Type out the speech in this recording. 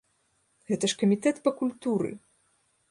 Гэта ж камітэт па культуры!